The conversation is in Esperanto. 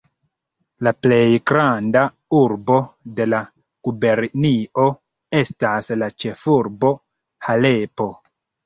La plej granda urbo de la gubernio estas la ĉefurbo Halepo.